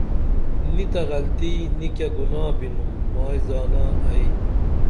نی تہ غلطی نی کیہ گُناہ بِنُم مائی زانہ ائی